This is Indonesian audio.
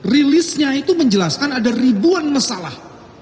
rilisnya itu menjelaskan ada ribuan masalah